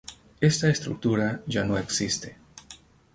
Esta estructura ya no existe.